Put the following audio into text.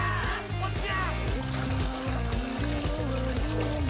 こっちや！